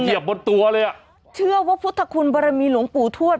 บนตัวเลยอ่ะเชื่อว่าพุทธคุณบรมีหลวงปู่ทวด